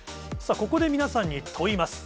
ここで皆さんに問イマス。